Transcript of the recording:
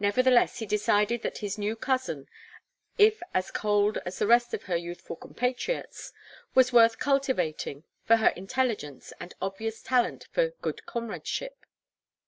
Nevertheless, he decided that his new cousin, if as cold as the rest of her youthful compatriots, was worth cultivating for her intelligence and obvious talent for good comradeship.